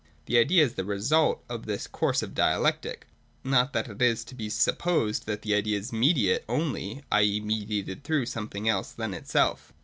The idea is the result of this course of dialectic. Not that it is to be sup posed that the idea is mediate only, i.e. mediated through something else than itself.